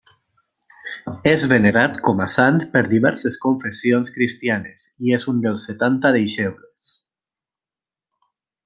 És venerat com a sant per diverses confessions cristianes, i és un dels Setanta deixebles.